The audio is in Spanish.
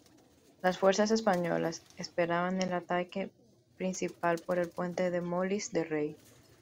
Las fuerzas españolas esperaban el ataque principal por el puente de Molins de Rei.